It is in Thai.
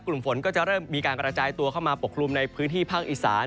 กลุ่มฝนก็จะเริ่มมีการกระจายตัวเข้ามาปกคลุมในพื้นที่ภาคอีสาน